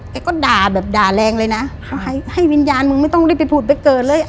ก็ด่าแบบด่าแรงเลยนะให้ให้วิญญาณมึงไม่ต้องรีบไปผุดไปเกิดเลย